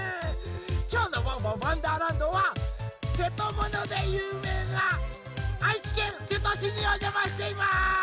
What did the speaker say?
きょうの「ワンワンわんだーらんど」はせとものでゆうめいな愛知県瀬戸市におじゃましています！